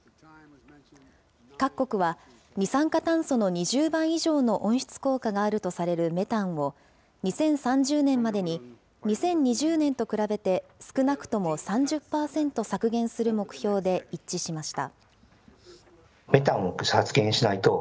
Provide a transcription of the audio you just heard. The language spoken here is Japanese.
各国は二酸化炭素の２０倍以上の温室効果があるとされるメタンを、２０３０年までに２０２０年と比べて、少なくとも３０％削減する目標で一致しました。